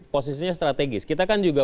posisinya strategis kita kan juga